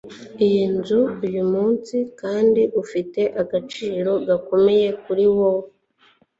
iyinzu uyumunsi kandi ifite agaciro gakomeye kuri wowe